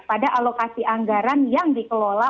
pada alokasi anggaran yang dikelola